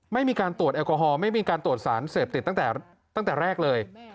ไม่มีการตรวจแอลกอฮอลไม่มีการตรวจสารเสพติดตั้งแต่แรกเลย